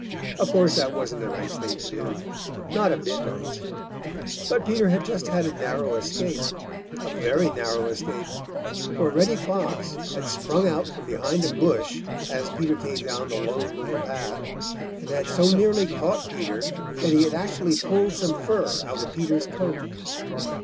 Of course that wasn't a nice thing to do, not a bit nice. But Peter had just had a narrow escape, a very narrow escape, for Reddy Fox had sprung out from behind a bush as Peter came down the Lone Little Path, and had so nearly caught Peter that he had actually pulled some fur out of Peter's coat.